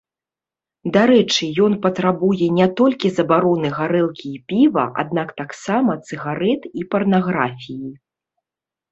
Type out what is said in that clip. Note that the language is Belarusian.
Дарэчы, ён патрабуе не толькі забароны гарэлкі і піва, аднак таксама цыгарэт і парнаграфіі.